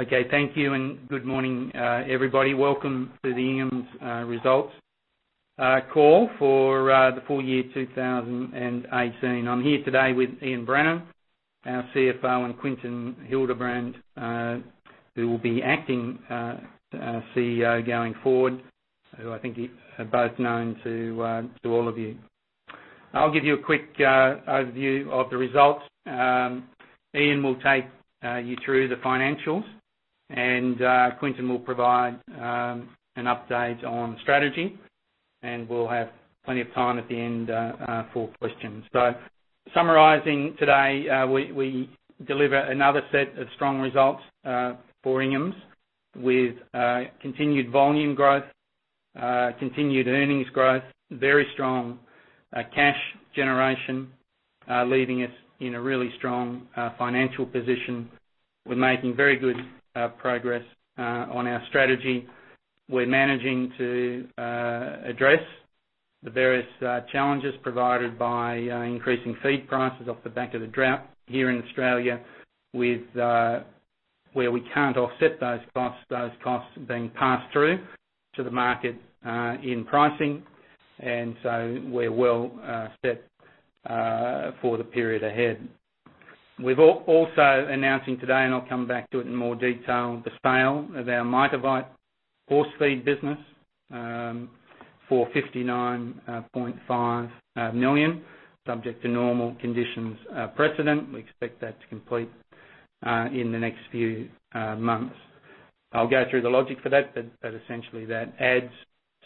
Okay, thank you, good morning, everybody. Welcome to the Inghams results call for the full year 2018. I'm here today with Ian Brannan, our CFO, and Quinton Hildebrand, who will be acting CEO going forward, who I think are both known to all of you. I'll give you a quick overview of the results. Ian will take you through the financials, Quinton will provide an update on strategy, we'll have plenty of time at the end for questions. Summarizing today, we deliver another set of strong results for Inghams, with continued volume growth, continued earnings growth, very strong cash generation, leaving us in a really strong financial position. We're making very good progress on our strategy. We're managing to address the various challenges provided by increasing feed prices off the back of the drought here in Australia, where we can't offset those costs, those costs are being passed through to the market in pricing. We're well set for the period ahead. We're also announcing today, I'll come back to it in more detail, the sale of our Mitavite horse feed business for 59.5 million, subject to normal conditions precedent. We expect that to complete in the next few months. I'll go through the logic for that, essentially that adds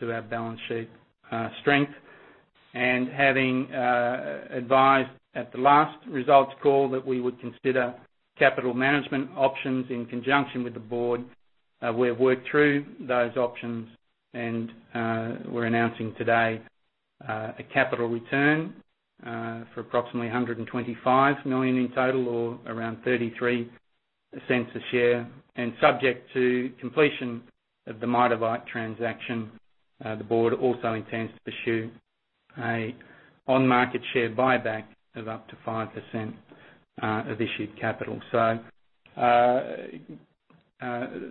to our balance sheet strength. Having advised at the last results call that we would consider capital management options in conjunction with the board, we've worked through those options, we're announcing today a capital return for approximately 125 million in total or around 0.33 a share. Subject to completion of the Mitavite transaction, the board also intends to pursue an on-market share buyback of up to 5% of issued capital.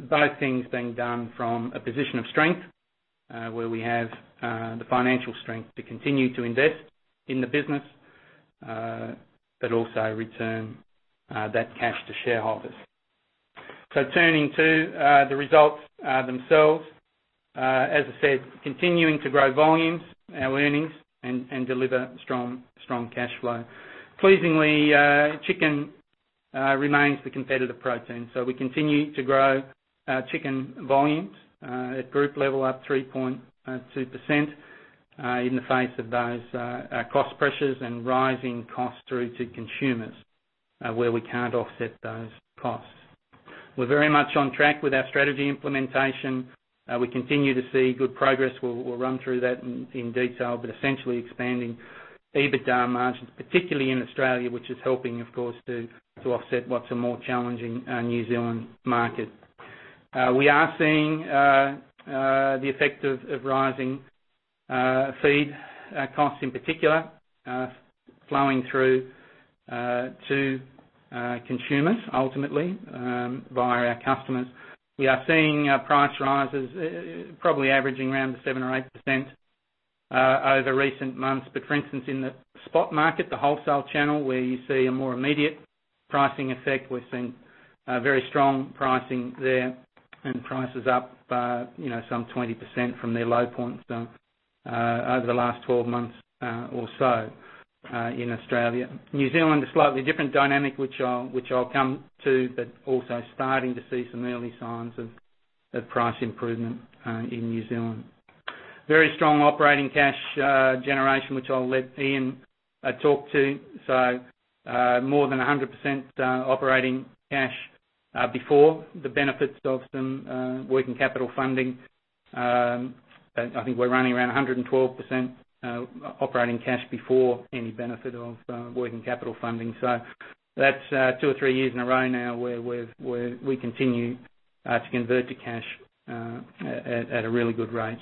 Those things being done from a position of strength, where we have the financial strength to continue to invest in the business, also return that cash to shareholders. Turning to the results themselves. As I said, continuing to grow volumes, our earnings, deliver strong cash flow. Pleasingly, chicken remains the competitive protein, we continue to grow our chicken volumes at group level up 3.2% in the face of those cost pressures rising costs through to consumers, where we can't offset those costs. We're very much on track with our strategy implementation. We continue to see good progress. We'll run through that in detail, essentially expanding EBITDA margins, particularly in Australia, which is helping, of course, to offset what's a more challenging New Zealand market. We are seeing the effect of rising feed costs in particular, flowing through to consumers ultimately, via our customers. We are seeing price rises probably averaging around the 7% or 8% over recent months. For instance, in the spot market, the wholesale channel, where you see a more immediate pricing effect, we're seeing very strong pricing there and prices up some 20% from their low points over the last 12 months or so in Australia. New Zealand is slightly different dynamic, which I'll come to, also starting to see some early signs of price improvement in New Zealand. Very strong operating cash generation, which I'll let Ian talk to. More than 100% operating cash before the benefits of some working capital funding. I think we're running around 112% operating cash before any benefit of working capital funding. That's two or three years in a row now where we continue to convert to cash at a really good rate.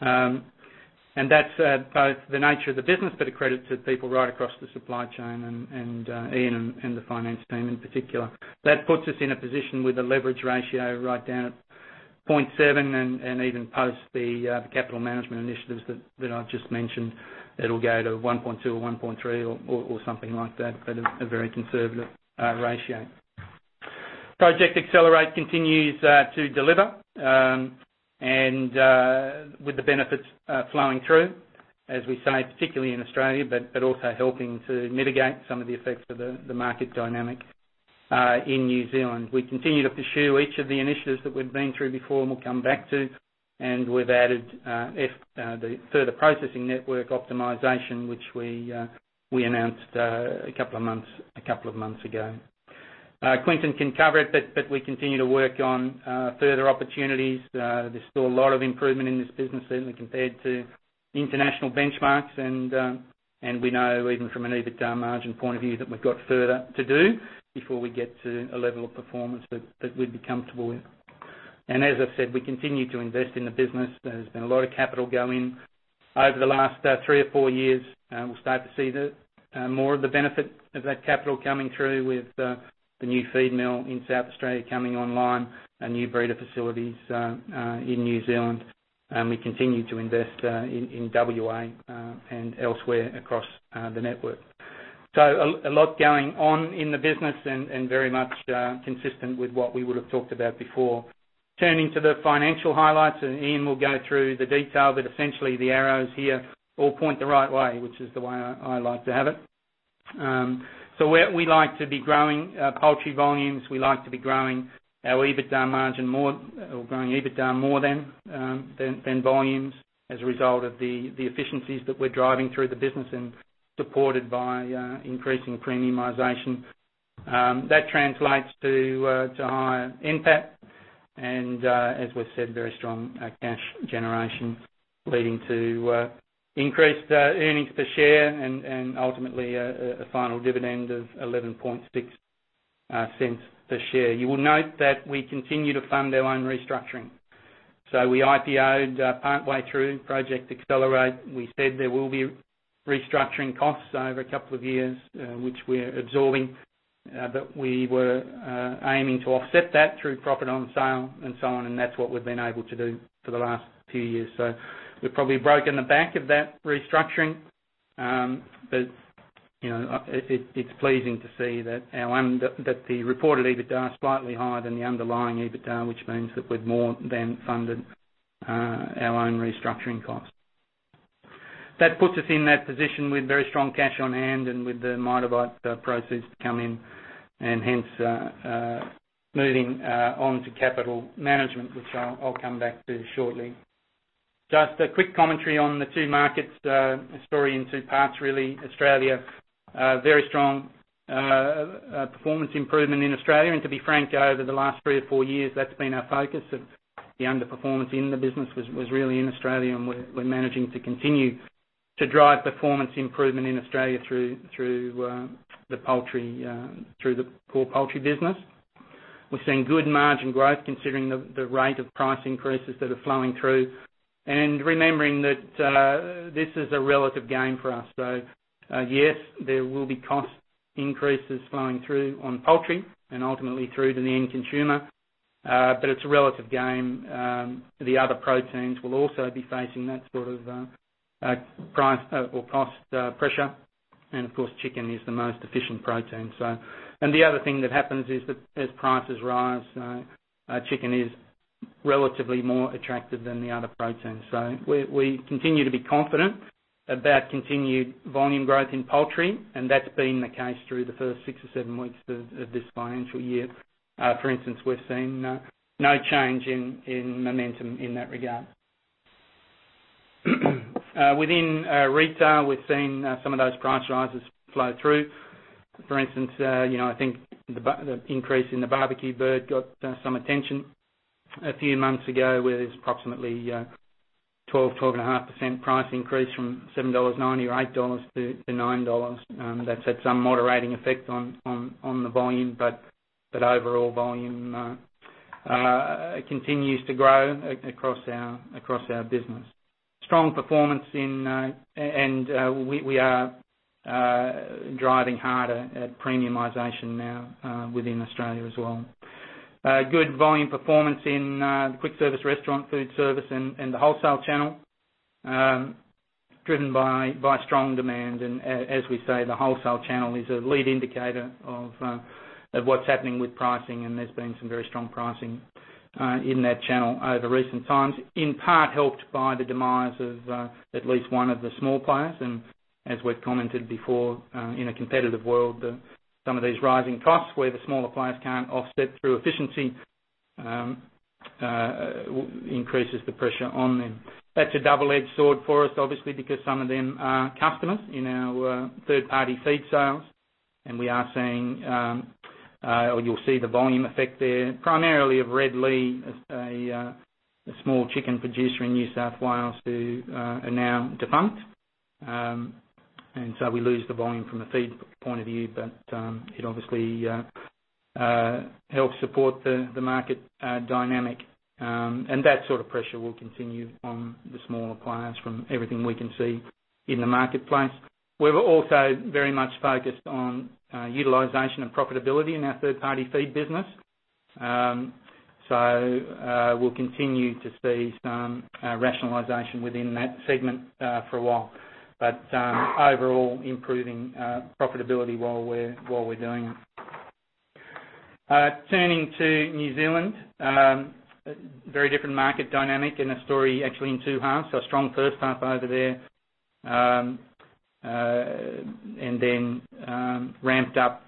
That's both the nature of the business, but a credit to the people right across the supply chain and Ian and the finance team in particular. That puts us in a position with a leverage ratio right down at 0.7, even post the capital management initiatives that I've just mentioned, it'll go to 1.2 or 1.3 or something like that, but a very conservative ratio. Project Accelerate continues to deliver, with the benefits flowing through, as we say, particularly in Australia, but also helping to mitigate some of the effects of the market dynamic in New Zealand. We continue to pursue each of the initiatives that we've been through before and will come back to, we've added the further processing network optimization, which we announced a couple of months ago. Quinton can cover it, we continue to work on further opportunities. There's still a lot of improvement in this business, certainly compared to international benchmarks, we know even from an EBITDA margin point of view that we've got further to do before we get to a level of performance that we'd be comfortable with. As I've said, we continue to invest in the business. There's been a lot of capital going over the last three or four years. We'll start to see more of the benefit of that capital coming through with the new feed mill in South Australia coming online and new breeder facilities in New Zealand. We continue to invest in WA and elsewhere across the network. A lot going on in the business and very much consistent with what we would've talked about before. Turning to the financial highlights, Ian will go through the detail, essentially the arrows here all point the right way, which is the way I like to have it. We like to be growing poultry volumes. We like to be growing our EBITDA margin more, or growing EBITDA more than volumes as a result of the efficiencies that we're driving through the business and supported by increasing premiumization. That translates to higher NPAT, as we've said, very strong cash generation, leading to increased earnings per share and ultimately a final dividend of 0.116 per share. You will note that we continue to fund our own restructuring. We IPO'd partway through Project Accelerate. We said there will be restructuring costs over a couple of years, which we're absorbing. We were aiming to offset that through profit on sale and so on, that's what we've been able to do for the last two years. We've probably broken the back of that restructuring. It's pleasing to see that the reported EBITDA is slightly higher than the underlying EBITDA, which means that we've more than funded our own restructuring costs. That puts us in that position with very strong cash on hand and with the Mitavite proceeds to come in, hence, moving on to capital management, which I'll come back to shortly. Just a quick commentary on the two markets, a story in two parts really. Australia, very strong performance improvement in Australia, to be frank, over the last three or four years, that's been our focus. The underperformance in the business was really in Australia, we're managing to continue to drive performance improvement in Australia through the core poultry business. We're seeing good margin growth considering the rate of price increases that are flowing through. Remembering that this is a relative game for us. Yes, there will be cost increases flowing through on poultry ultimately through to the end consumer. It's a relative game. The other proteins will also be facing that sort of price or cost pressure. Of course, chicken is the most efficient protein. The other thing that happens is that as prices rise, chicken is relatively more attractive than the other proteins. We continue to be confident about continued volume growth in poultry, and that's been the case through the first six or seven weeks of this financial year. For instance, we've seen no change in momentum in that regard. Within retail, we've seen some of those price rises flow through. For instance, I think the increase in the barbecue bird got some attention a few months ago, where there's approximately 12.5% price increase from 7.90 dollars or 8 dollars to 9 dollars. That's had some moderating effect on the volume, overall volume continues to grow across our business. Strong performance, we are driving harder at premiumisation now within Australia as well. Good volume performance in quick service restaurant food service and the wholesale channel, driven by strong demand. As we say, the wholesale channel is a lead indicator of what's happening with pricing, there's been some very strong pricing in that channel over recent times, in part helped by the demise of at least one of the small players. As we've commented before, in a competitive world, some of these rising costs where the smaller players can't offset through efficiency, increases the pressure on them. That's a double-edged sword for us, obviously, because some of them are customers in our third-party feed sales, we are seeing, or you'll see the volume effect there, primarily of Red Lea, a small chicken producer in New South Wales who are now defunct. We lose the volume from a feed point of view, it obviously helps support the market dynamic. That sort of pressure will continue on the smaller players from everything we can see in the marketplace. We're also very much focused on utilization and profitability in our third-party feed business. We'll continue to see some rationalization within that segment for a while. Overall, improving profitability while we're doing it. Turning to New Zealand, very different market dynamic a story actually in two halves. A strong first half over there, then ramped up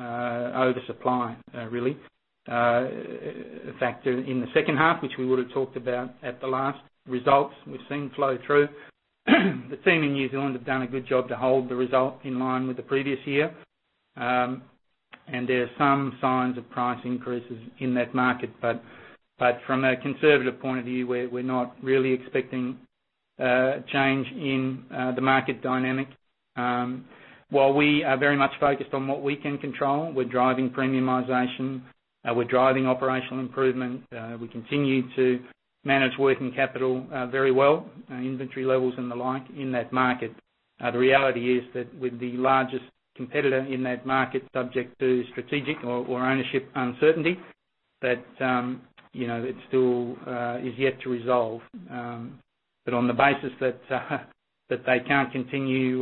oversupply really, a factor in the second half, which we would've talked about at the last results we've seen flow through. The team in New Zealand have done a good job to hold the result in line with the previous year. There's some signs of price increases in that market. From a conservative point of view, we're not really expecting change in the market dynamic. While we are very much focused on what we can control, we're driving premiumization, we're driving operational improvement. We continue to manage working capital very well, inventory levels and the like in that market. The reality is that with the largest competitor in that market subject to strategic or ownership uncertainty, that it still is yet to resolve. On the basis that they can't continue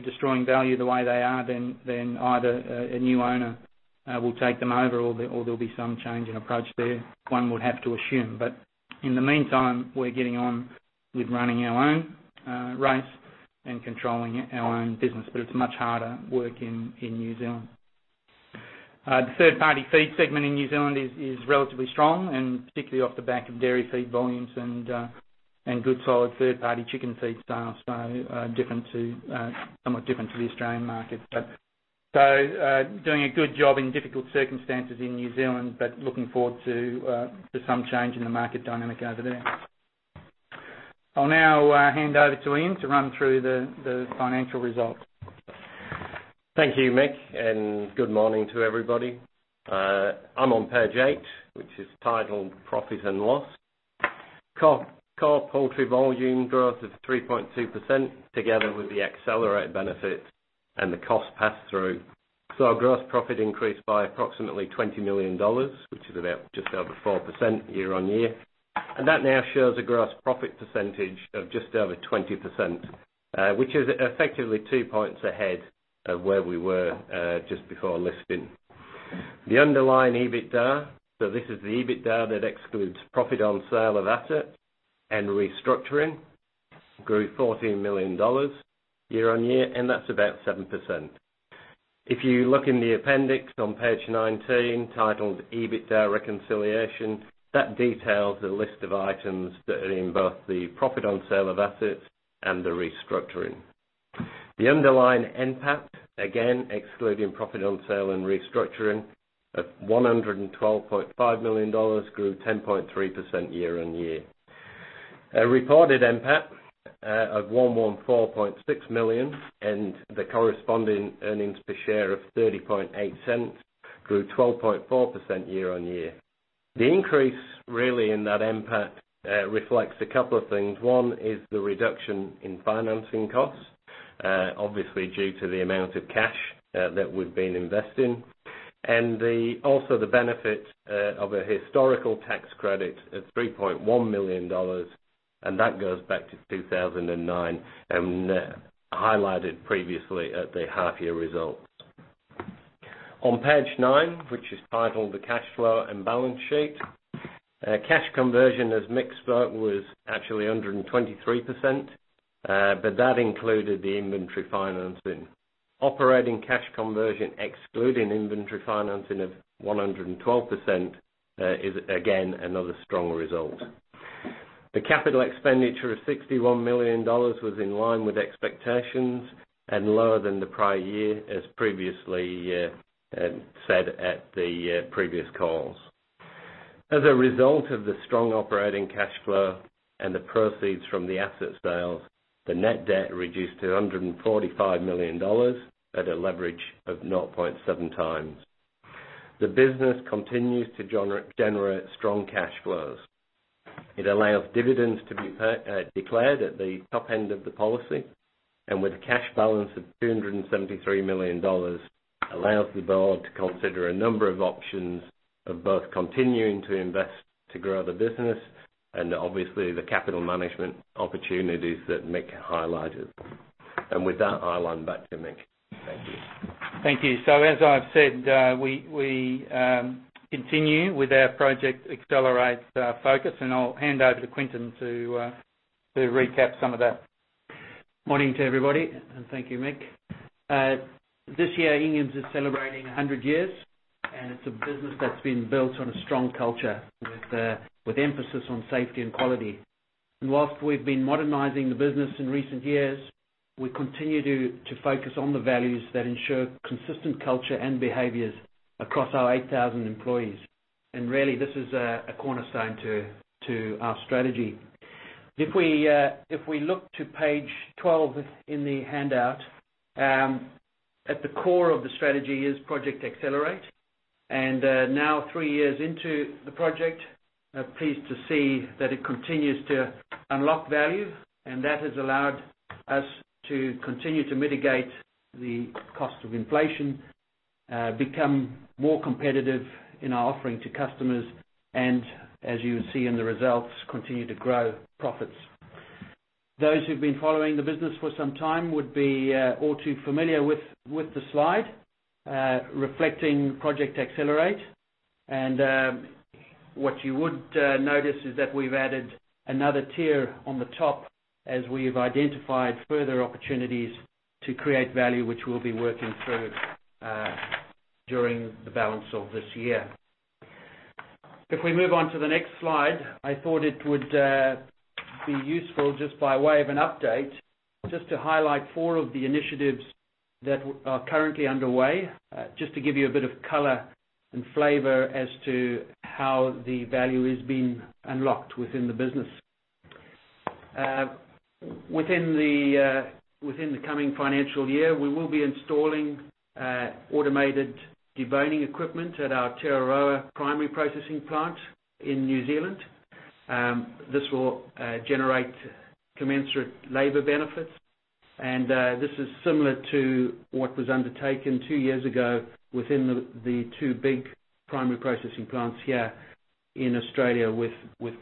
destroying value the way they are, then either a new owner will take them over, or there'll be some change in approach there, one would have to assume. In the meantime, we're getting on with running our own race and controlling our own business. It's much harder work in New Zealand. The third-party feed segment in New Zealand is relatively strong and particularly off the back of dairy feed volumes and good solid third-party chicken feed sales, somewhat different to the Australian market. Doing a good job in difficult circumstances in New Zealand, but looking forward to some change in the market dynamic over there. I'll now hand over to Ian Brannan to run through the financial results. Thank you, Mick McMahon, and good morning to everybody. I'm on page eight, which is titled Profit and Loss. Core poultry volume growth is 3.2%, together with the Accelerate benefit and the cost pass-through. Our gross profit increased by approximately 20 million dollars, which is about just over 4% year-on-year. That now shows a gross profit percentage of just over 20%, which is effectively two points ahead of where we were just before listing. The underlying EBITDA, so this is the EBITDA that excludes profit on sale of asset and restructuring, grew 14 million dollars year-on-year, and that's about 7%. If you look in the appendix on page 19, titled EBITDA Reconciliation, that details a list of items that are in both the profit on sale of assets and the restructuring. The underlying NPAT, again, excluding profit on sale and restructuring, at 112.5 million dollars, grew 10.3% year-on-year. A reported NPAT of 114.6 million and the corresponding earnings per share of 0.308 grew 12.4% year-on-year. The increase really in that NPAT reflects a couple of things. One is the reduction in financing costs, obviously due to the amount of cash that we've been investing. Also the benefit of a historical tax credit of 3.1 million dollars, and that goes back to 2009, and highlighted previously at the half-year results. On page nine, which is titled the Cash Flow and Balance Sheet. Cash conversion, as Mick McMahon spoke, was actually 123%, but that included the inventory financing. Operating cash conversion excluding inventory financing of 112% is, again, another strong result. The capital expenditure of 61 million dollars was in line with expectations and lower than the prior year, as previously said at the previous calls. As a result of the strong operating cash flow and the proceeds from the asset sales, the net debt reduced to 145 million dollars at a leverage of 0.7 times. The business continues to generate strong cash flows. It allows dividends to be declared at the top end of the policy, and with a cash balance of 273 million dollars, allows the board to consider a number of options of both continuing to invest to grow the business and obviously the capital management opportunities that Mick highlighted. With that, I'll hand back to Mick. Thank you. Thank you. As I've said, we continue with our Project Accelerate focus, and I'll hand over to Quinton to recap some of that. Morning to everybody, thank you, Mick. This year, Inghams is celebrating 100 years, and it's a business that's been built on a strong culture with emphasis on safety and quality. Whilst we've been modernizing the business in recent years, we continue to focus on the values that ensure consistent culture and behaviors across our 8,000 employees. Really, this is a cornerstone to our strategy. If we look to page 12 in the handout, at the core of the strategy is Project Accelerate. Now three years into the project, I'm pleased to see that it continues to unlock value, that has allowed us to continue to mitigate the cost of inflation, become more competitive in our offering to customers, and as you see in the results, continue to grow profits. Those who've been following the business for some time would be all too familiar with the slide reflecting Project Accelerate. What you would notice is that we've added another tier on the top as we've identified further opportunities to create value, which we'll be working through during the balance of this year. If we move on to the next slide, I thought it would be useful just by way of an update to highlight four of the initiatives that are currently underway, just to give you a bit of color and flavor as to how the value is being unlocked within the business. Within the coming financial year, we will be installing automated deboning equipment at our Te Aroha primary processing plant in New Zealand. This will generate commensurate labor benefits, and this is similar to what was undertaken two years ago within the two big primary processing plants here in Australia with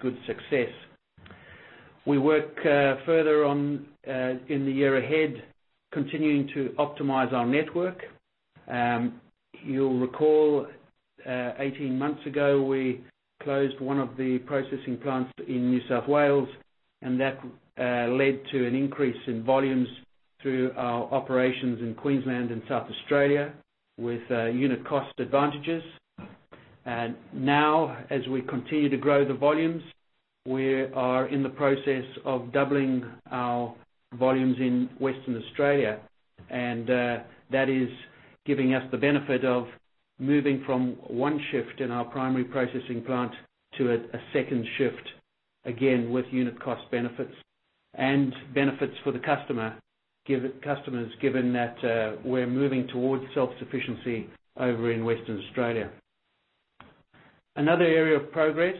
good success. We work further on in the year ahead, continuing to optimize our network. You'll recall, 18 months ago, we closed one of the processing plants in New South Wales, and that led to an increase in volumes through our operations in Queensland and South Australia with unit cost advantages. Now, as we continue to grow the volumes, we are in the process of doubling our volumes in Western Australia, and that is giving us the benefit of moving from one shift in our primary processing plant to a second shift, again, with unit cost benefits and benefits for the customers, given that we're moving towards self-sufficiency over in Western Australia. Another area of progress,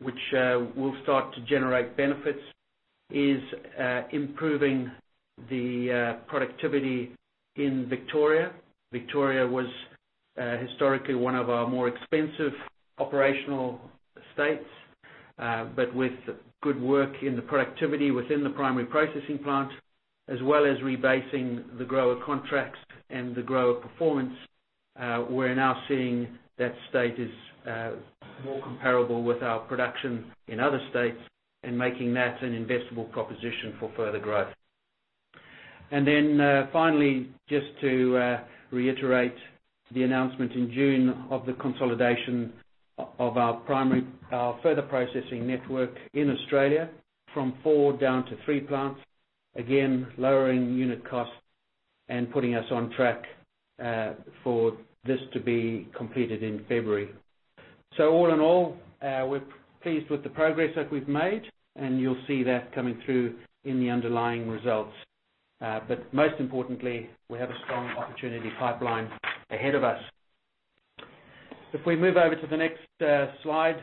which will start to generate benefits, is improving the productivity in Victoria. Victoria was historically one of our more expensive operational states. But with good work in the productivity within the primary processing plant, as well as rebasing the grower contracts and the grower performance, we're now seeing that state is more comparable with our production in other states and making that an investable proposition for further growth. Then finally, just to reiterate the announcement in June of the consolidation of our further processing network in Australia from four down to three plants. Again, lowering unit costs and putting us on track for this to be completed in February. All in all, we're pleased with the progress that we've made, and you'll see that coming through in the underlying results. But most importantly, we have a strong opportunity pipeline ahead of us. If we move over to the next slide.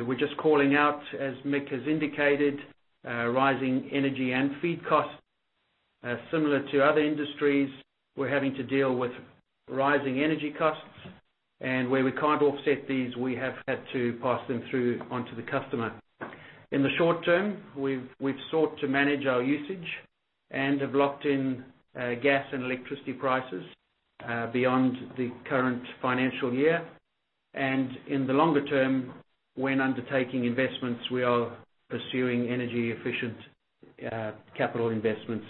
We're just calling out, as Mick has indicated, rising energy and feed costs. Similar to other industries, we're having to deal with rising energy costs. Where we can't offset these, we have had to pass them through onto the customer. In the short term, we've sought to manage our usage and have locked in gas and electricity prices beyond the current financial year. In the longer term, when undertaking investments, we are pursuing energy-efficient capital investments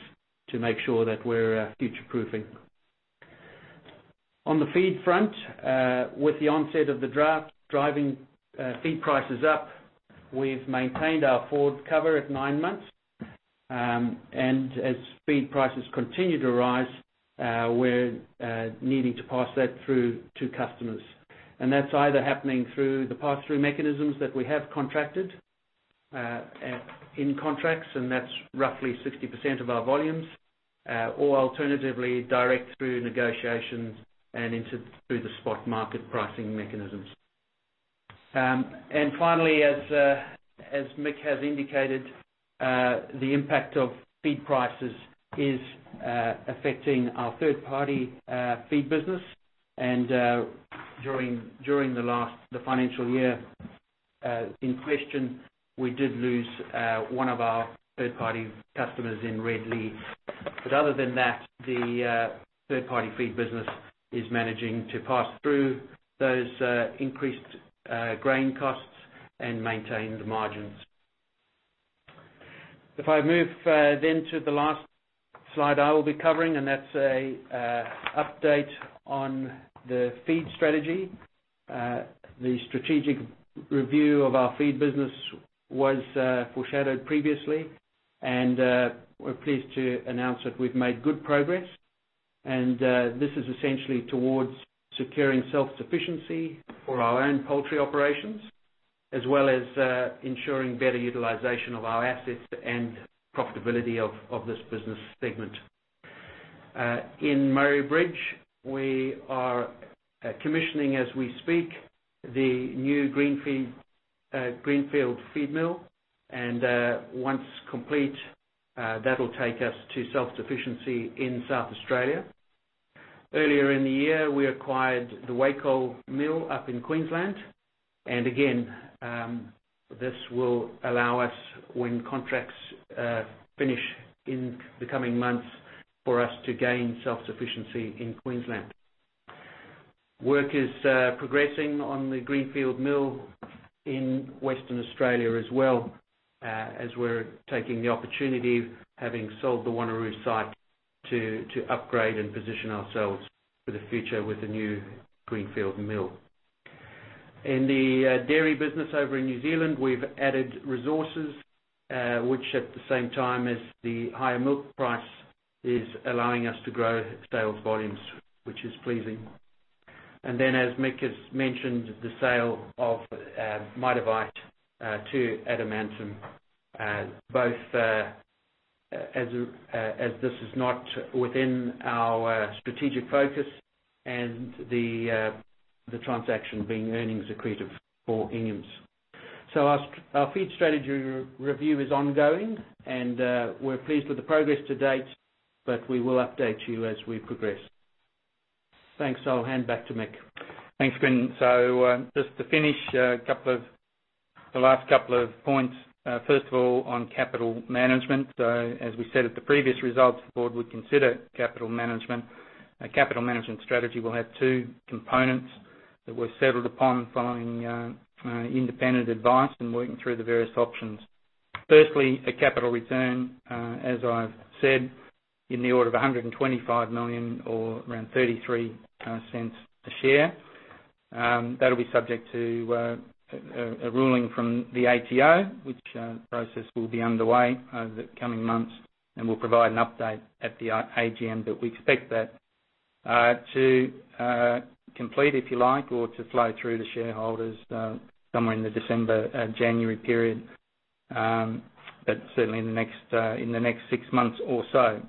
to make sure that we're future-proofing. On the feed front, with the onset of the drought driving feed prices up, we've maintained our forwards cover at nine months. And as feed prices continue to rise, we're needing to pass that through to customers. That's either happening through the pass-through mechanisms that we have contracted in contracts, and that's roughly 60% of our volumes. Alternatively, direct through negotiations and through the spot market pricing mechanisms. Finally, as Mick has indicated, the impact of feed prices is affecting our third-party feed business. During the financial year in question, we did lose one of our third-party customers in Red Lea. But other than that, the third-party feed business is managing to pass through those increased grain costs and maintain the margins. If I move then to the last slide I will be covering, and that's an update on the feed strategy. The strategic review of our feed business was foreshadowed previously, and we're pleased to announce that we've made good progress. This is essentially towards securing self-sufficiency for our own poultry operations, as well as ensuring better utilization of our assets and profitability of this business segment. In Murray Bridge, we are commissioning, as we speak, the new greenfield feed mill. Once complete, that will take us to self-sufficiency in South Australia. Earlier in the year, we acquired the Wacol mill up in Queensland. Again, this will allow us, when contracts finish in the coming months, for us to gain self-sufficiency in Queensland. Work is progressing on the greenfield mill in Western Australia as well, as we are taking the opportunity, having sold the Wanneroo site, to upgrade and position ourselves for the future with a new greenfield mill. In the dairy business over in New Zealand, we have added resources, which at the same time as the higher milk price, is allowing us to grow sales volumes, which is pleasing. Then, as Mick has mentioned, the sale of Mitavite to Adamantem, both as this is not within our strategic focus and the transaction being earnings accretive for Inghams. Our feed strategy review is ongoing, and we are pleased with the progress to date, but we will update you as we progress. Thanks. I will hand back to Mick. Thanks, Quinton. Just to finish, the last couple of points. First of all, on capital management, as we said at the previous results, the board would consider capital management. A capital management strategy will have two components that were settled upon following independent advice and working through the various options. Firstly, a capital return, as I have said, in the order of 125 million or around 0.33 a share. That will be subject to a ruling from the ATO, which process will be underway over the coming months, and we will provide an update at the AGM. But we expect that to complete, if you like, or to flow through to shareholders somewhere in the December or January period. But certainly in the next 6 months or so.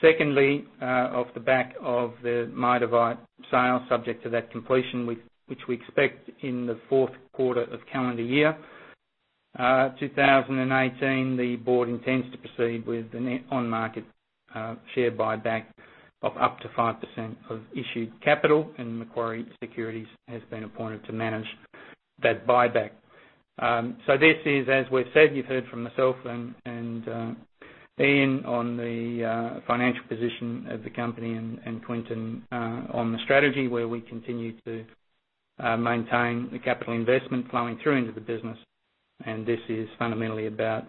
Secondly, off the back of the Mitavite sale, subject to that completion, which we expect in the fourth quarter of calendar year 2018, the board intends to proceed with the net on-market share buyback of up to 5% of issued capital, and Macquarie Securities has been appointed to manage that buyback. This is, as we have said, you have heard from myself and Ian on the financial position of the company, and Quinton on the strategy, where we continue to maintain the capital investment flowing through into the business. This is fundamentally about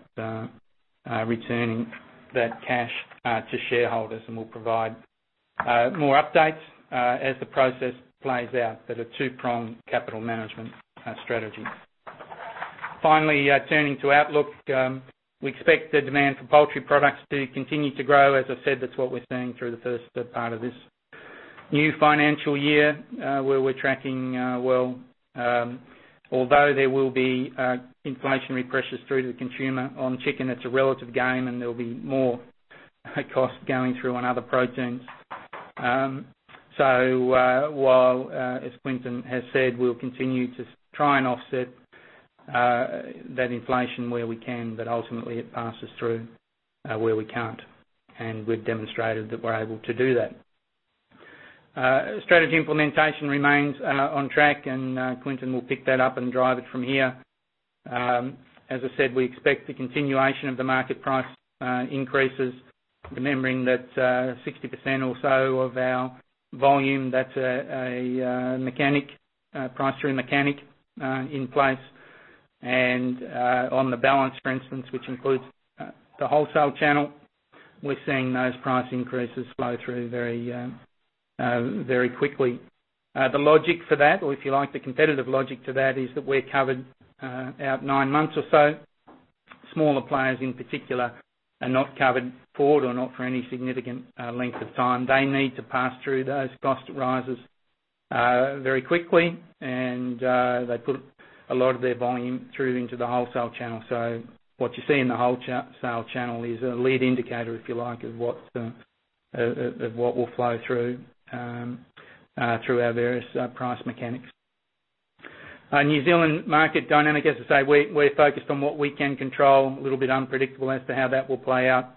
returning that cash to shareholders, and we will provide more updates as the process plays out, but a two-pronged capital management strategy. Finally, turning to outlook. We expect the demand for poultry products to continue to grow. As I have said, that is what we are seeing through the first part of this new financial year, where we are tracking well. Although there will be inflationary pressures through to the consumer on chicken, it's a relative game, and there'll be more cost going through on other proteins. While, as Quinton has said, we'll continue to try and offset that inflation where we can, but ultimately it passes through where we can't. We've demonstrated that we're able to do that. Strategy implementation remains on track, and Quinton will pick that up and drive it from here. As I said, we expect the continuation of the market price increases, remembering that 60% or so of our volume, that's a mechanic, price through mechanic in place. On the balance, for instance, which includes the wholesale channel, we're seeing those price increases flow through very quickly. The logic for that, or if you like, the competitive logic to that is that we're covered out nine months or so. Smaller players in particular are not covered forward or not for any significant length of time. They need to pass through those cost rises very quickly, and they put a lot of their volume through into the wholesale channel. What you see in the wholesale channel is a lead indicator, if you like, of what will flow through our various price mechanics. New Zealand market dynamic, as I say, we're focused on what we can control. A little bit unpredictable as to how that will play out.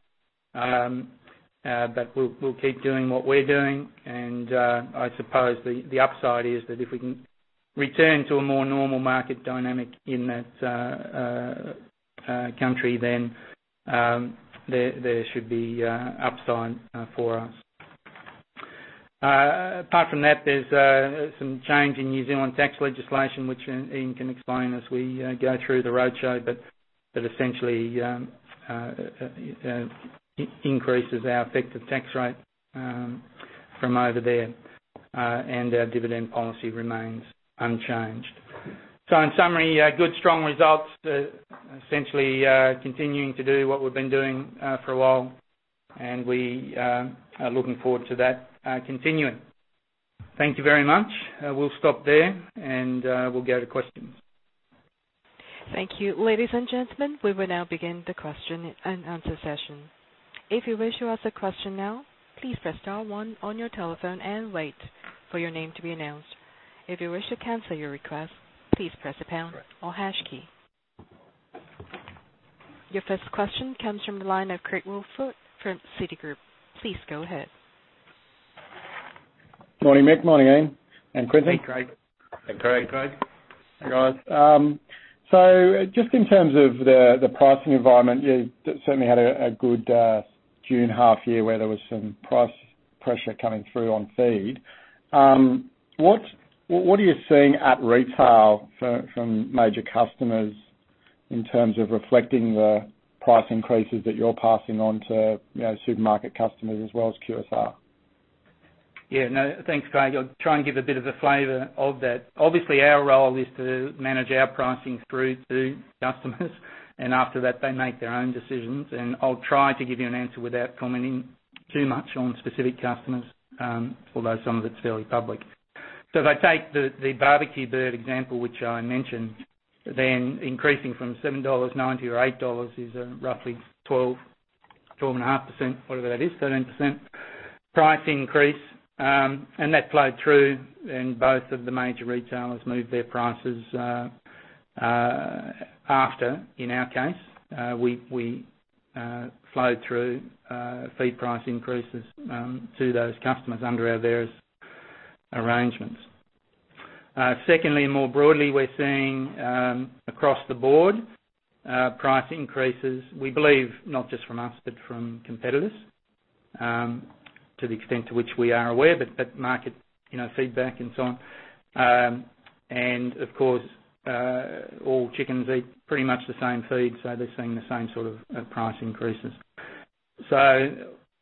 We'll keep doing what we're doing. I suppose the upside is that if we can return to a more normal market dynamic in that country, then there should be upside for us. Apart from that, there's some change in New Zealand tax legislation, which Ian can explain as we go through the roadshow, but essentially increases our effective tax rate from over there, and our dividend policy remains unchanged. In summary, good strong results. Essentially, continuing to do what we've been doing for a while, and we are looking forward to that continuing. Thank you very much. We'll stop there, and we'll go to questions. Thank you. Ladies and gentlemen, we will now begin the question and answer session. If you wish to ask a question now, please press star one on your telephone and wait for your name to be announced. If you wish to cancel your request, please press the pound or hash key. Your first question comes from the line of Craig Woolford from Citigroup. Please go ahead. Morning, Mick. Morning, Ian and Quinton. Hey, Craig. Hey, Craig. Hey, Craig. Hey, guys. Just in terms of the pricing environment, you certainly had a good June half year where there was some price pressure coming through on feed. What are you seeing at retail from major customers? In terms of reflecting the price increases that you're passing on to supermarket customers as well as QSR. Yeah. No, thanks, Craig. I'll try and give a bit of a flavor of that. Obviously, our role is to manage our pricing through to customers, after that they make their own decisions. I'll try to give you an answer without commenting too much on specific customers, although some of it is fairly public. If I take the Barbeque Bird example, which I mentioned, then increasing from 7.90 dollars or 8 dollars is roughly 12%, 12.5%, whatever that is, 13% price increase. That flowed through, and both of the major retailers moved their prices after, in our case, we flowed through feed price increases to those customers under our various arrangements. Secondly, more broadly, we're seeing across the board price increases, we believe not just from us, but from competitors to the extent to which we are aware, but that market feedback and so on. Of course, all chickens eat pretty much the same feed, so they're seeing the same sort of price increases.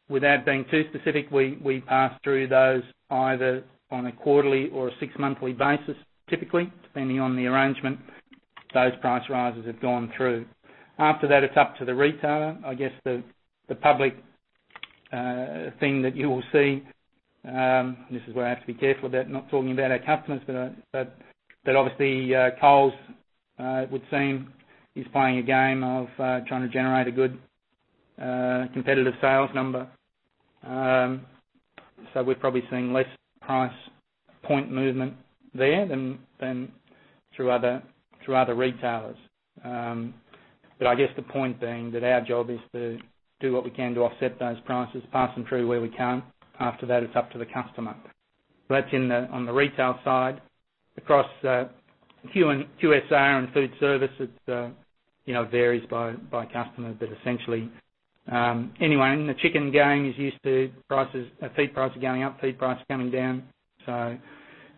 Without being too specific, we pass through those either on a quarterly or a six monthly basis, typically, depending on the arrangement those price rises have gone through. After that, it's up to the retailer. I guess the public thing that you will see, this is where I have to be careful about not talking about our customers, but obviously Coles, it would seem, is playing a game of trying to generate a good competitive sales number. We're probably seeing less price point movement there than through other retailers. I guess the point being that our job is to do what we can to offset those prices, pass them through where we can. After that, it's up to the customer. That's on the retail side. Across QSR and food service, it varies by customer. Essentially, anyone in the chicken game is used to feed prices going up, feed prices going down.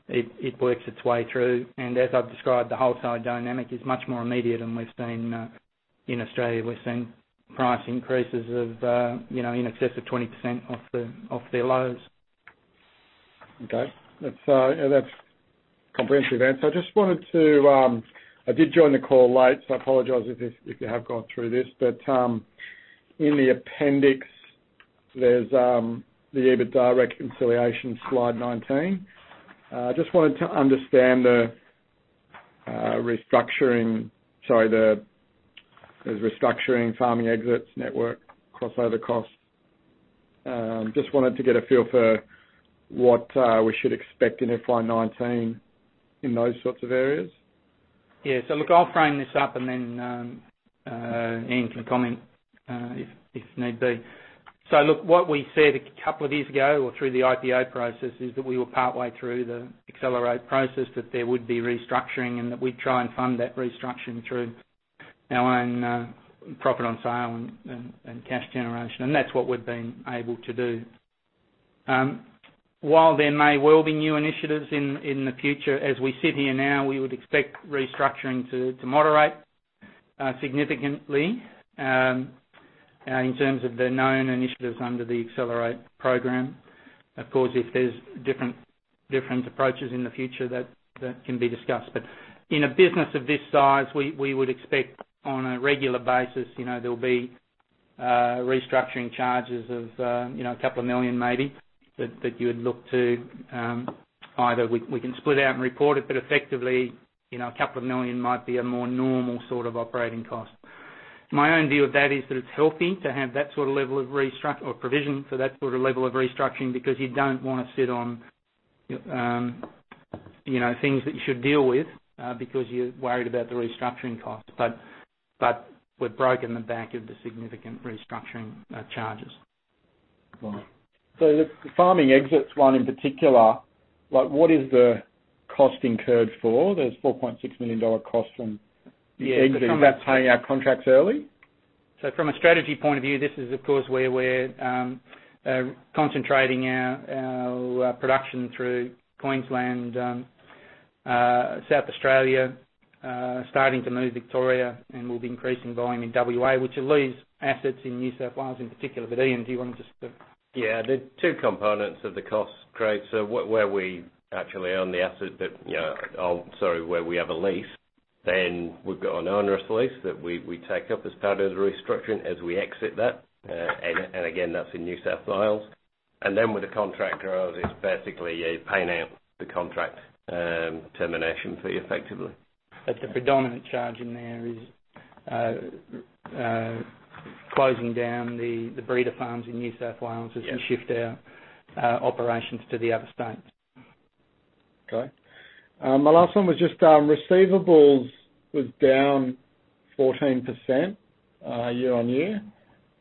It works its way through. As I've described, the wholesale dynamic is much more immediate than we've seen in Australia. We've seen price increases of in excess of 20% off their lows. Okay. That's a comprehensive answer. I did join the call late, so I apologize if you have gone through this, but in the appendix, there's the EBITDA reconciliation, slide 19. I just wanted to understand there's restructuring, farming exits, network, crossover costs. Just wanted to get a feel for what we should expect in FY 2019 in those sorts of areas. Yeah. Look, I'll frame this up and then Ian can comment if need be. Look, what we said a couple of years ago or through the IPO process is that we were partway through the Accelerate process, that there would be restructuring, and that we'd try and fund that restructuring through our own profit on sale and cash generation. That's what we've been able to do. While there may well be new initiatives in the future, as we sit here now, we would expect restructuring to moderate significantly in terms of the known initiatives under the Accelerate program. Of course, if there's different approaches in the future, that can be discussed. In a business of this size, we would expect on a regular basis, there'll be restructuring charges of a couple of million maybe that you would look to. Either we can split out and report it, but effectively, a couple of million might be a more normal sort of operating cost. My own view of that is that it's healthy to have that sort of level of provision for that sort of level of restructuring, because you don't want to sit on things that you should deal with because you're worried about the restructuring costs. We've broken the back of the significant restructuring charges. Right. The farming exits one in particular, what is the cost incurred for? There's 4.6 million dollar cost from the exit. Is that paying our contracts early? From a strategy point of view, this is of course, where we're concentrating our production through Queensland, South Australia, starting to move Victoria, and we'll be increasing volume in WA, which leaves assets in New South Wales in particular. Ian, do you want to? Yeah, there are two components of the cost, Craig. Where we have a lease, then we've got an onerous lease that we take up as part of the restructuring as we exit that. Again, that's in New South Wales. With the contractor, it's basically paying out the contract termination fee, effectively. The predominant charge in there is closing down the breeder farms in New South Wales as we shift our operations to the other states. Okay. My last one was just receivables was down 14% year-on-year.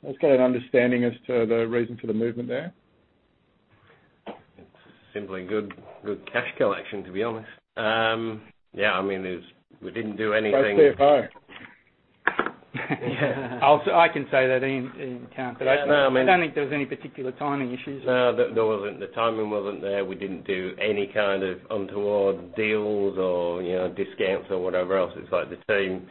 Can I just get an understanding as to the reason for the movement there? It's simply good cash collection, to be honest. Yeah, we didn't do anything- That's fair. Yeah. I can say that in confidence. Yeah, no, I mean- I don't think there was any particular timing issues. No, the timing wasn't there. We didn't do any kind of untoward deals or discounts or whatever else. It's like the` team,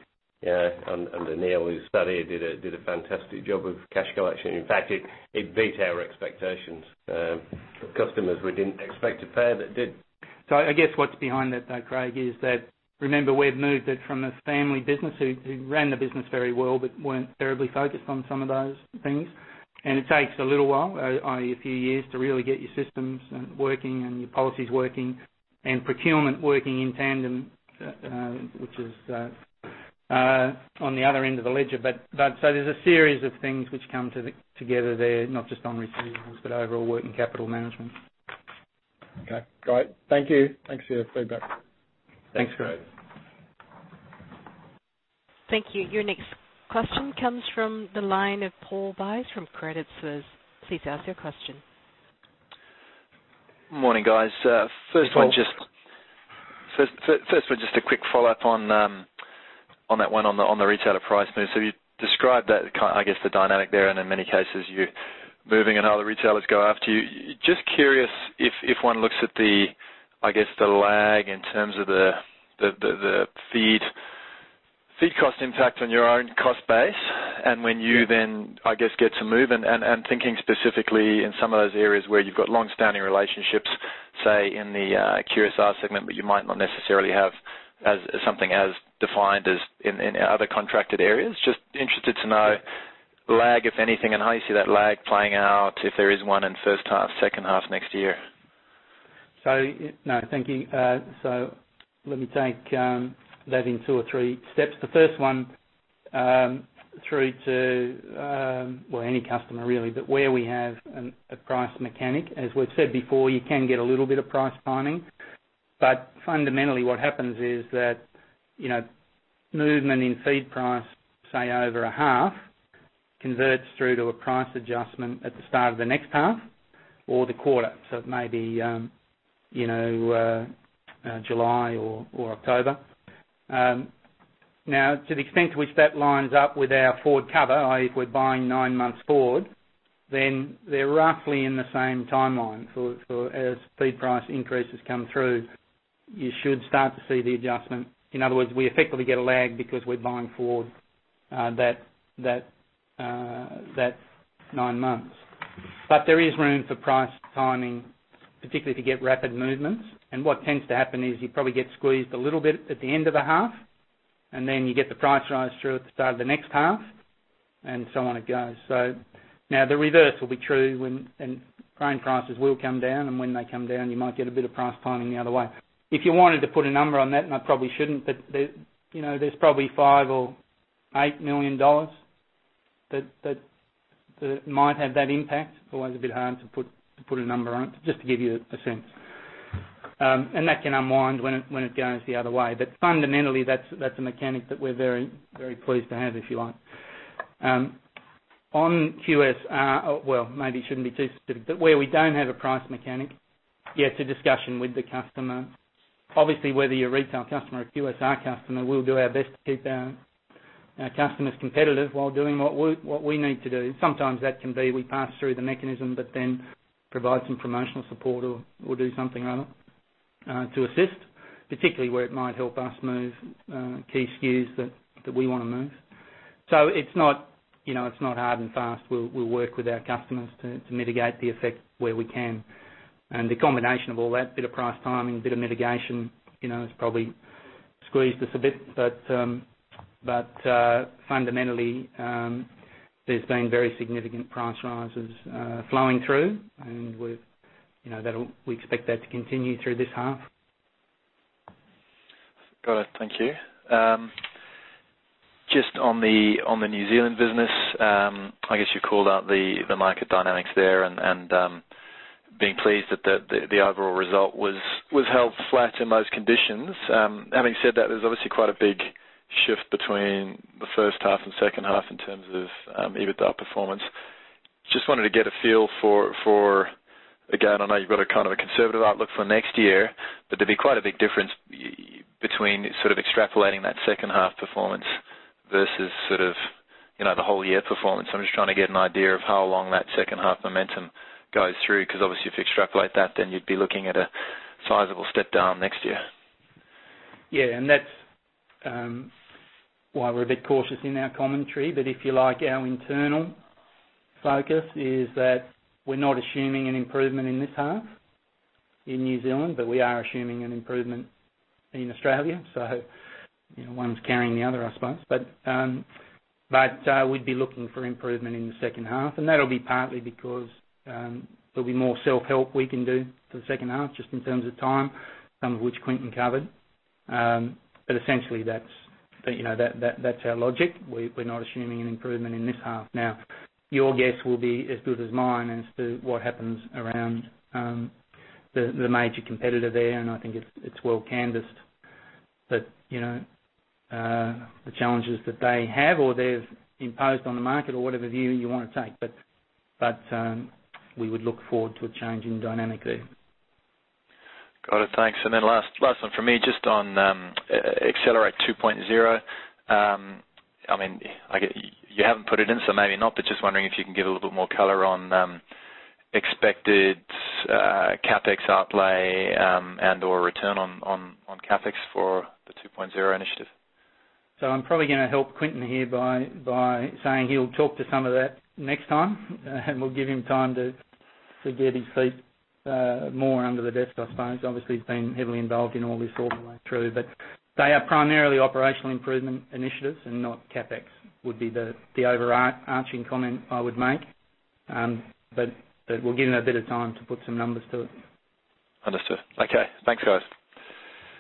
under Neil who's steady, did a fantastic job of cash collection. In fact, it beat our expectations. Customers we didn't expect to pay that did. I guess what's behind that though, Craig, is that, remember, we've moved it from a family business who ran the business very well, but weren't terribly focused on some of those things. It takes a little while, i.e., a few years, to really get your systems working and your policies working and procurement working in tandem, which is on the other end of the ledger. There's a series of things which come together there, not just on receivables, but overall working capital management. Okay, great. Thank you. Thanks for your feedback. Thanks, Craig. Thank you. Your next question comes from the line of Paul Buys from Credit Suisse. Please ask your question. Morning, guys. Hey, Paul. First one, just a quick follow-up on that one on the retailer price move. You described the dynamic there, and in many cases, you moving and other retailers go after you. Just curious if one looks at the lag in terms of the feed cost impact on your own cost base, and when you then get to move, and thinking specifically in some of those areas where you've got longstanding relationships, say, in the QSR segment, but you might not necessarily have something as defined as in other contracted areas. Just interested to know lag, if anything, and how you see that lag playing out, if there is one, in first half, second half next year. Thank you. Let me take that in two or three steps. The first one, through to, well, any customer, really, but where we have a price mechanic, as we've said before, you can get a little bit of price timing. Fundamentally, what happens is that movement in feed price, say, over a half, converts through to a price adjustment at the start of the next half or the quarter. It may be July or October. To the extent to which that lines up with our forward cover, i.e., if we're buying nine months forward, then they're roughly in the same timeline. As feed price increases come through, you should start to see the adjustment. In other words, we effectively get a lag because we're buying forward that nine months. There is room for price timing, particularly to get rapid movements. What tends to happen is you probably get squeezed a little bit at the end of a half, and then you get the price rise through at the start of the next half, and so on it goes. Now the reverse will be true when grain prices will come down, and when they come down, you might get a bit of price planning the other way. If you wanted to put a number on that, and I probably shouldn't, there's probably 5 million or 8 million dollars that might have that impact. It's always a bit hard to put a number on it, just to give you a sense. That can unwind when it goes the other way. Fundamentally, that's a mechanic that we're very pleased to have, if you like. On QSR, well, maybe it shouldn't be too specific, where we don't have a price mechanic, yeah, it's a discussion with the customer. Obviously, whether you're a retail customer or QSR customer, we'll do our best to keep our customers competitive while doing what we need to do. Sometimes that can be, we pass through the mechanism, then provide some promotional support or do something on it to assist, particularly where it might help us move key SKUs that we want to move. It's not hard and fast. We'll work with our customers to mitigate the effect where we can. The combination of all that, bit of price timing, bit of mitigation, has probably squeezed us a bit. Fundamentally, there's been very significant price rises flowing through, and we expect that to continue through this half. Got it. Thank you. Just on the New Zealand business, I guess you called out the market dynamics there and being pleased that the overall result was held flat in those conditions. Having said that, there's obviously quite a big shift between the first half and second half in terms of EBITDA performance. Just wanted to get a feel for, again, I know you've got a conservative outlook for next year, but there'd be quite a big difference between extrapolating that second half performance versus the whole year performance. I'm just trying to get an idea of how long that second half momentum goes through, because obviously if you extrapolate that, then you'd be looking at a sizable step down next year. That's why we're a bit cautious in our commentary. If you like, our internal focus is that we're not assuming an improvement in this half in New Zealand, but we are assuming an improvement in Australia. One's carrying the other, I suppose. We'd be looking for improvement in the second half, and that'll be partly because there'll be more self-help we can do for the second half, just in terms of time, some of which Quinton covered. Essentially, that's our logic. We're not assuming an improvement in this half. Your guess will be as good as mine as to what happens around the major competitor there, I think it's well canvassed, the challenges that they have or they've imposed on the market or whatever view you want to take. We would look forward to a change in dynamic there. Got it. Thanks. Last one from me, just on Accelerate 2.0. You haven't put it in, just wondering if you can give a little bit more color on expected CapEx outlay and/or return on CapEx for the 2.0 initiative. I'm probably going to help Quinton here by saying he'll talk to some of that next time, and we'll give him time to get his feet more under the desk, I suppose. Obviously, he's been heavily involved in all this all the way through, they are primarily operational improvement initiatives and not CapEx, would be the overarching comment I would make. We'll give him a bit of time to put some numbers to it. Understood. Okay. Thanks, guys.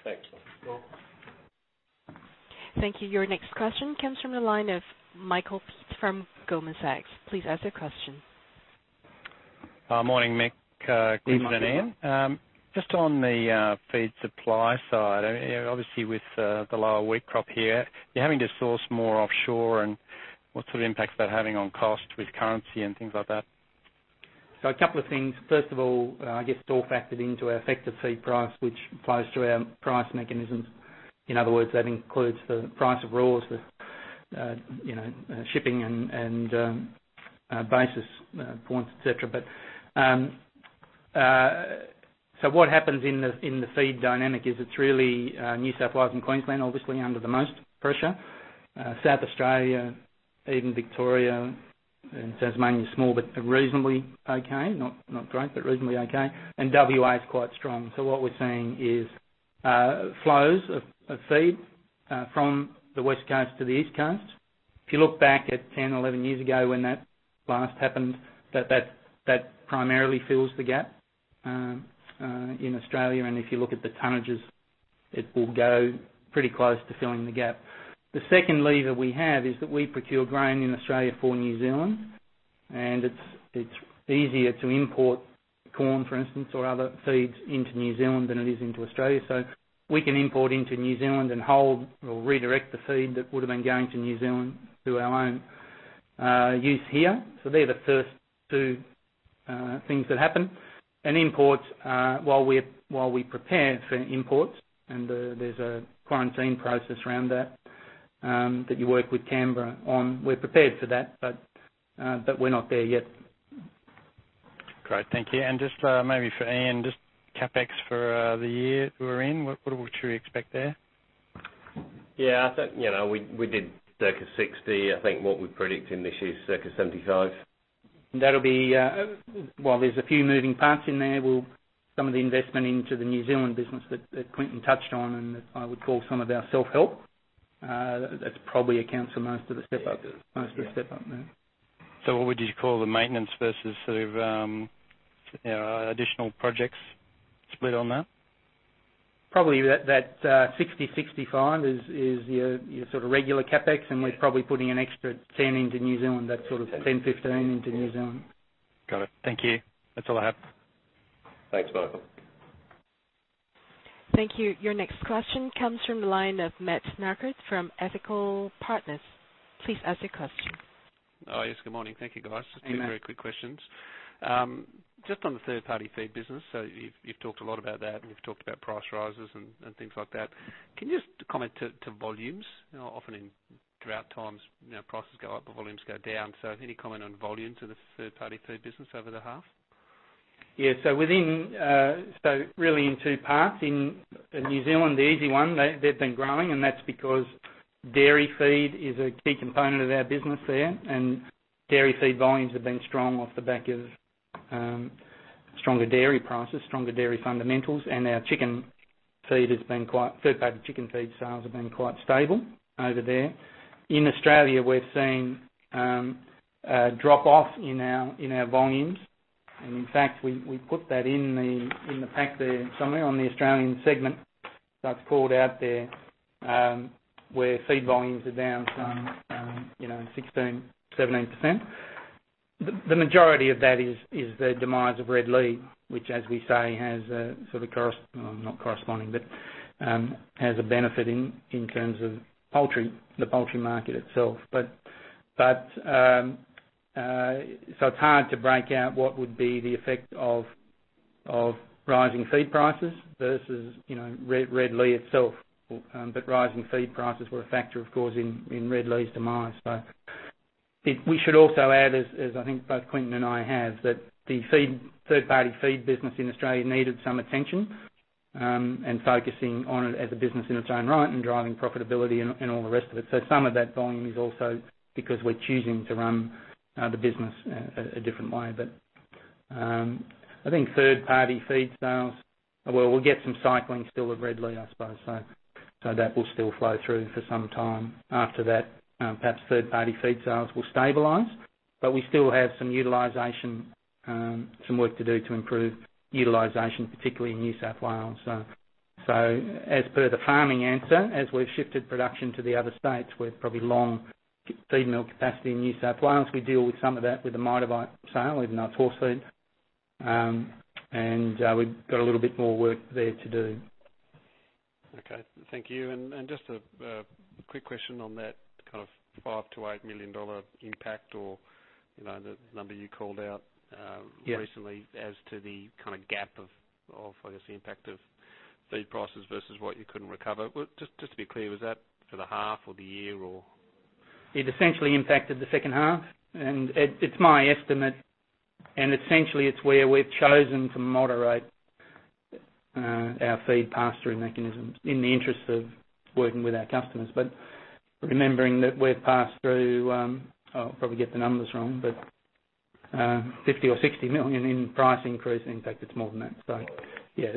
Thanks. Thank you. Your next question comes from the line of Michael Peat from Goldman Sachs. Please ask your question. Morning, Mick, Quinton and Ian. Good morning, Michael. Just on the feed supply side, obviously, with the lower wheat crop here, you're having to source more offshore and what sort of impact is that having on cost with currency and things like that? A couple of things. First of all, I guess it's all factored into our effective feed price, which flows through our price mechanisms. In other words, that includes the price of raws, the shipping, and basis points, et cetera. What happens in the feed dynamic is it's really New South Wales and Queensland, obviously, under the most pressure. South Australia, even Victoria and Tasmania is small, but reasonably okay. Not great, but reasonably okay. WA is quite strong. What we're seeing is flows of feed from the west coast to the east coast. If you look back at 10 or 11 years ago when that last happened, that primarily fills the gap in Australia, and if you look at the tonnages, it will go pretty close to filling the gap. The second lever we have is that we procure grain in Australia for New Zealand, and it's easier to import corn, for instance, or other feeds into New Zealand than it is into Australia. We can import into New Zealand and hold or redirect the feed that would've been going to New Zealand through our own use here. They're the first two things that happen. Imports, while we prepare for imports, and there's a quarantine process around that you work with Canberra on, we're prepared for that. We're not there yet. Great. Thank you. Just maybe for Ian, just CapEx for the year we're in, what should we expect there? Yeah, I think, we did circa 60 million. I think what we're predicting this year is circa 75 million. While there's a few moving parts in there, some of the investment into the New Zealand business that Quinton touched on and that I would call some of our self-help, that probably accounts for most of the step-up there. What would you call the maintenance versus additional projects split on that? Probably that 60 million-65 million is your regular CapEx, and we're probably putting an extra 10 million into New Zealand, that sort of 10 million-15 million into New Zealand. Got it. Thank you. That's all I have. Thanks, Michael. Thank you. Your next question comes from the line of Matt Nacard from Ethical Partners. Please ask your question. Yes. Good morning. Thank you, guys. Hey, Matt. Just two very quick questions. Just on the third-party feed business, you've talked a lot about that, and you've talked about price rises and things like that. Can you just comment to volumes? Often in drought times, prices go up, the volumes go down. Any comment on volume to the third-party feed business over the half? Yeah. Really in two parts. In New Zealand, the easy one, they've been growing, and that's because dairy feed is a key component of our business there, and dairy feed volumes have been strong off the back of stronger dairy prices, stronger dairy fundamentals, and our third-party chicken feed sales have been quite stable over there. In Australia, we've seen a drop-off in our volumes. In fact, we put that in the pack there somewhere on the Australian segment that's called out there, where feed volumes are down 16, 17%. The majority of that is the demise of Red Lea, which, as we say, has a benefit in terms of the poultry market itself. It's hard to break out what would be the effect of rising feed prices versus Red Lea itself. Rising feed prices were a factor, of course, in Red Lea's demise. We should also add, as I think both Quinton and I have, that the third-party feed business in Australia needed some attention, and focusing on it as a business in its own right and driving profitability and all the rest of it. Some of that volume is also because we're choosing to run the business a different way. I think third-party feed sales, well, we'll get some cycling still of Red Lea, I suppose, that will still flow through for some time after that. Perhaps third-party feed sales will stabilize, but we still have some work to do to improve utilization, particularly in New South Wales. As per the farming answer, as we've shifted production to the other states, we've probably long feed mill capacity in New South Wales. We deal with some of that with the Mitavite sale, even though it's horse feed. we've got a little bit more work there to do. Okay, thank you. Just a quick question on that 5 million-8 million dollar impact or the number you called out recently Yes as to the gap of, I guess, the impact of feed prices versus what you couldn't recover. Just to be clear, was that for the half or the year or? It essentially impacted the second half, it's my estimate, essentially it's where we've chosen to moderate our feed pass-through mechanisms in the interest of working with our customers. Remembering that we've passed through, I'll probably get the numbers wrong, but 50 million or 60 million in price increase. In fact, it's more than that. Yeah.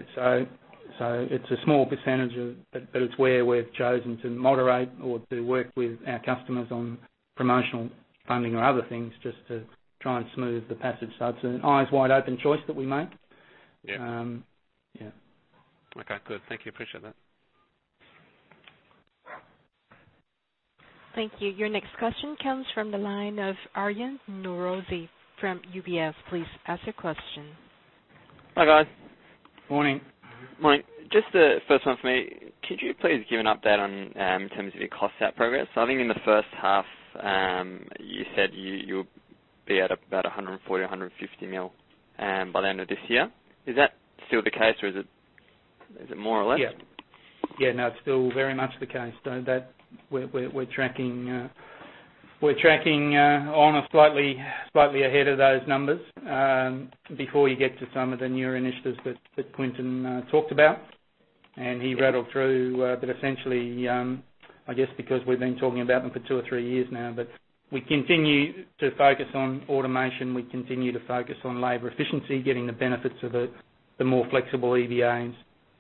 It's a small percentage, but it's where we've chosen to moderate or to work with our customers on promotional funding or other things just to try and smooth the passage. It's an eyes wide open choice that we make. Yeah. Yeah. Okay, good. Thank you. Appreciate that. Thank you. Your next question comes from the line of Aryan Norozi from UBS. Please ask your question. Hi, guys. Morning. Morning. Just the first one for me, could you please give an update on, in terms of your cost out progress? I think in the first half, you said you'll be at about 140 million-150 million by the end of this year. Is that still the case or is it more or less? Yes. No, it's still very much the case. We're tracking on a slightly ahead of those numbers, before you get to some of the newer initiatives that Quinton talked about, and he rattled through. Essentially, I guess because we've been talking about them for 2 or 3 years now, but we continue to focus on automation, we continue to focus on labor efficiency, getting the benefits of the more flexible EBAs,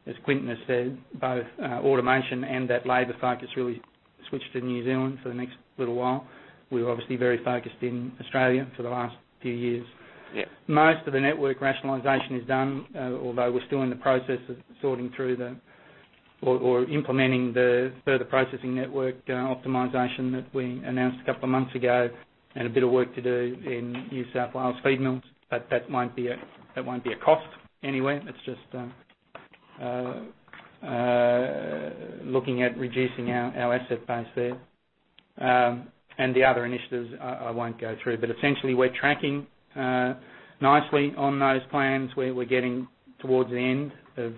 as Quinton has said, both automation and that labor focus really switched to New Zealand for the next little while. We were obviously very focused in Australia for the last few years. Yeah. Most of the network rationalization is done, although we're still in the process of sorting through or implementing the further processing network optimization that we announced a couple of months ago, and a bit of work to do in New South Wales feed mills. That won't be a cost anyway. It's just looking at reducing our asset base there. The other initiatives, I won't go through. Essentially, we're tracking nicely on those plans, where we're getting towards the end of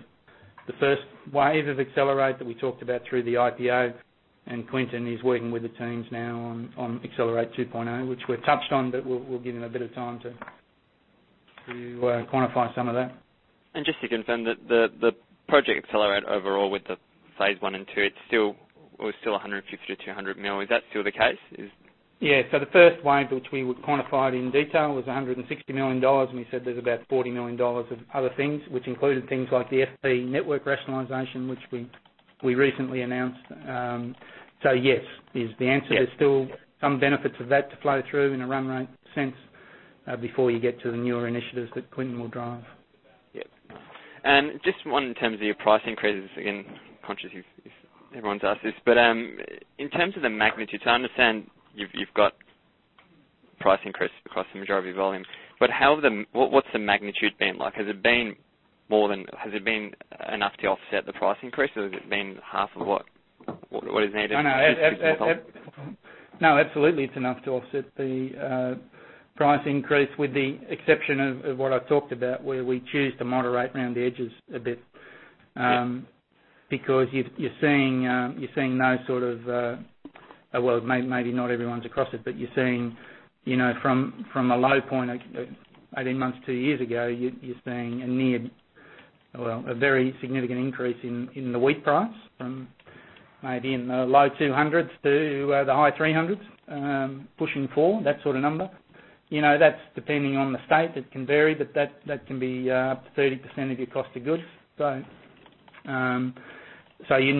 the first wave of Accelerate that we talked about through the IPO, and Quinton is working with the teams now on Accelerate 2.0, which we've touched on, but we'll give him a bit of time to quantify some of that. Just to confirm that the Project Accelerate overall with the phase 1 and 2, it was still 150 million to 200 million. Is that still the case? Yes. The first wave, which we would quantify it in detail, was 160 million dollars. We said there's about 40 million dollars of other things, which included things like the FP network rationalization, which we recently announced. Yes is the answer. Yeah. There's still some benefits of that to flow through in a run rate sense, before you get to the newer initiatives that Quinton will drive. Yeah. Just one in terms of your price increases, again, conscious if everyone's asked this, in terms of the magnitude, I understand you've got price increase across the majority of volume, what's the magnitude been like? Has it been enough to offset the price increase, or has it been half of what is needed? No, absolutely it's enough to offset the price increase with the exception of what I've talked about, where we choose to moderate around the edges a bit. Yeah. You're seeing no sort of Well, maybe not everyone's across it, you're seeing, from a low point, 18 months, two years ago, you're seeing a very significant increase in the wheat price from maybe in the low 200s to the high 300s, pushing four, that sort of number. That's depending on the state. It can vary, that can be up to 30% of your cost of goods. You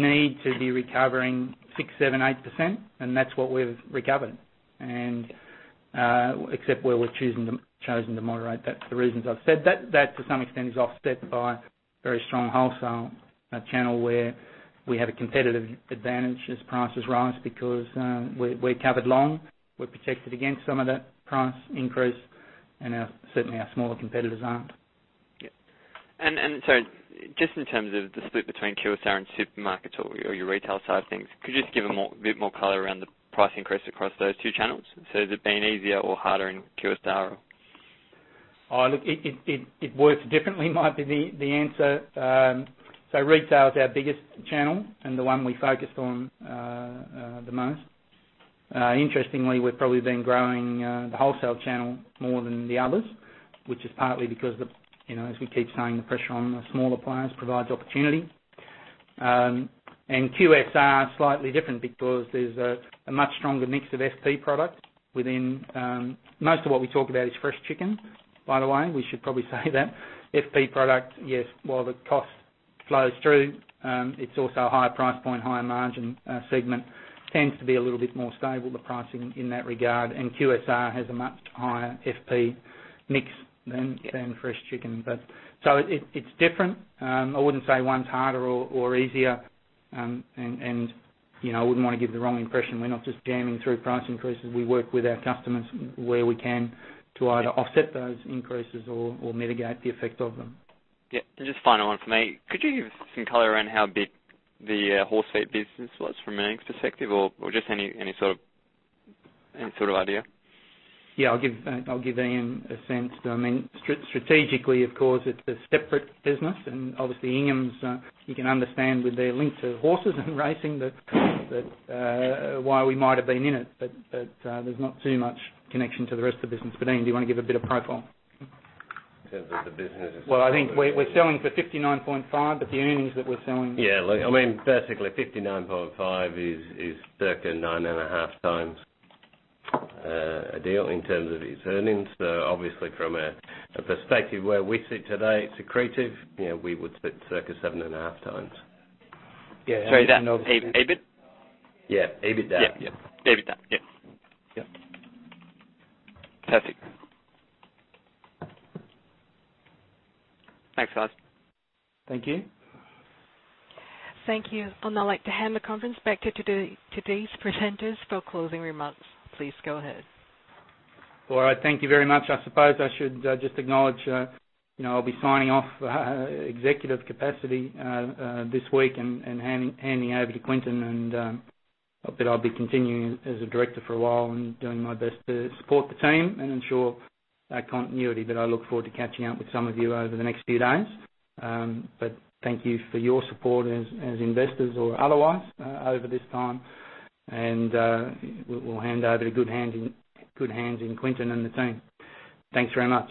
need to be recovering six, seven, 8%, that's what we've recovered. Except where we've chosen to moderate. That's the reasons I've said. That to some extent is offset by very strong wholesale, a channel where we have a competitive advantage as prices rise because we're covered long, we're protected against some of that price increase, certainly our smaller competitors aren't. Yeah. Sorry, just in terms of the split between QSR and supermarkets or your retail side of things, could you just give a bit more color around the price increase across those two channels? Has it been easier or harder in QSR or? Look, it works differently might be the answer. Retail is our biggest channel and the one we focused on the most. Interestingly, we've probably been growing the wholesale channel more than the others, which is partly because as we keep saying, the pressure on the smaller players provides opportunity. QSR are slightly different because there's a much stronger mix of FP product within Most of what we talk about is fresh chicken, by the way. We should probably say that. FP product, yes, while the cost flows through, it's also a higher price point, higher margin segment, tends to be a little bit more stable, the pricing in that regard, and QSR has a much higher FP mix than fresh chicken. It's different. I wouldn't say one's harder or easier. I wouldn't want to give the wrong impression. We're not just jamming through price increases. We work with our customers where we can to either offset those increases or mitigate the effect of them. Yeah. Just final one from me. Could you give some color around how big the horse feed business was from an earnings perspective or just any sort of idea? Yeah, I'll give Ian a sense. I mean, strategically, of course, it's a separate business, and obviously Inghams, you can understand with their link to horses and racing that why we might have been in it, there's not too much connection to the rest of the business. Ian, do you want to give a bit of profile? In terms of the business- Well, I think we're selling for 59.5, the earnings that we're selling- Yeah. I mean, basically 59.5 is circa 9.5x EBITDA in terms of its earnings. Obviously from a perspective where we sit today, it's accretive. We would sit circa 7.5x. Yeah. Sorry, is that EBIT? Yeah, EBITDA. Yeah, EBITDA. Yeah. Yeah. Perfect. Thanks, guys. Thank you. Thank you. I'll now like to hand the conference back to today's presenters for closing remarks. Please go ahead. All right. Thank you very much. I suppose I should just acknowledge, I'll be signing off executive capacity this week and handing over to Quinton, but I'll be continuing as a director for a while and doing my best to support the team and ensure continuity. I look forward to catching up with some of you over the next few days. Thank you for your support as investors or otherwise over this time, and we'll hand over to good hands in Quinton and the team. Thanks very much.